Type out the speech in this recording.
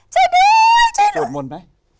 ช่วยด้วยสวดมนต์ไหม